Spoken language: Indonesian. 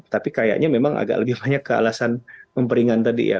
tapi kayaknya memang agak lebih banyak ke alasan memperingan tadi ya